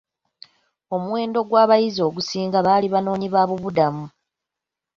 Omuwendo gw'abayizi ogusinga baali banoonyi ba bubudamu.